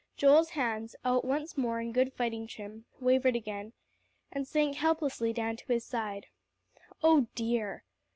Joel's hands, out once more in good fighting trim, wavered again, and sank helplessly down to his side. "Oh dear!"